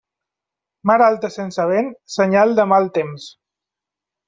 Mar alta sense vent, senyal de mal temps.